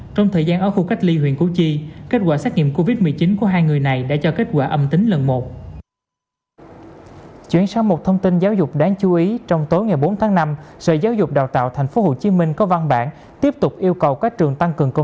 trong đó khuyến khích các hình thức vận động bầu cử